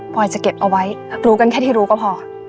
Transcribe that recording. พอยจะเก็บเอาไว้รู้กันแค่ที่รู้ก็พอ